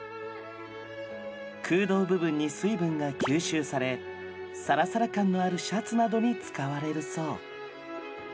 空洞部分に水分が吸収されサラサラ感のあるシャツなどに使われるそう。